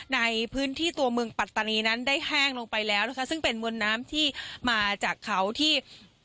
ในพื้นที่ตัวเมืองปัตตานีนั้นได้แห้งลงไปแล้วนะคะซึ่งเป็นมวลน้ำที่มาจากเขาที่